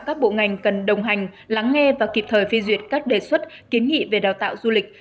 các bộ ngành cần đồng hành lắng nghe và kịp thời phi duyệt các đề xuất kiến nghị về đào tạo du lịch